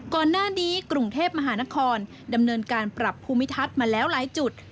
ก่อนหน้านี้กรุงเทพมหานครดำเนินการปรับภูมิทัศน์มาแล้วหลายจุด